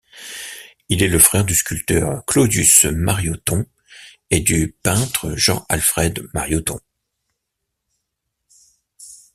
Il est le frère du sculpteur Claudius Marioton et du peintre Jean Alfred Marioton.